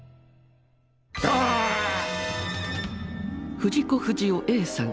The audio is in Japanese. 藤子不二雄さん。